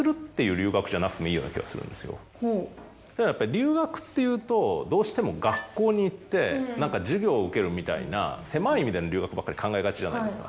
ただやっぱり留学っていうとどうしても学校に行って何か授業を受けるみたいな狭い意味での留学ばっかり考えがちじゃないですか。